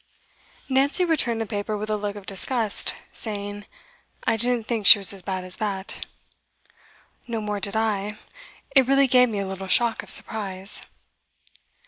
Nancy returned the paper with a look of disgust, saying, 'I didn't think she was as bad as that.' 'No more did I. It really gave me a little shock of surprise.